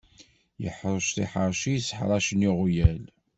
Iḥṛec tiḥeṛci yisseḥṛacen iɣwyal.